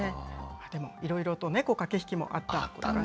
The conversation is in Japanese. でも、いろいろと駆け引きもあったんですね。